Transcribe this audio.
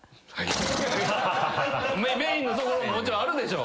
メインのところももちろんあるでしょ。